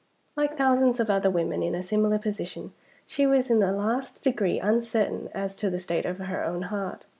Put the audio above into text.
Like thousands of other women in a similar position, she was in the last degree uncertain as to the state of her own heart.